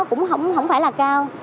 chất lượng thì nó cũng không phải là cao